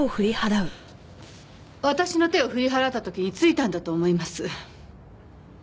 私の手を振り払った時に付いたんだと思います。